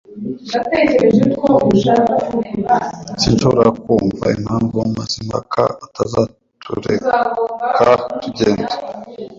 Sinshobora kumva impamvu Mazimpaka atazatureka tugenda.